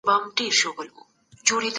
هره دوره خپل ذوق لري.